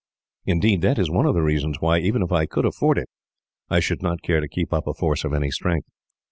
Indeed, that is one of the reasons why, even if I could afford it, I should not care to keep up a force of any strength.